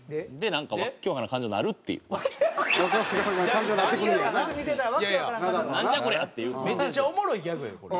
めっちゃおもろいギャグやでこれ。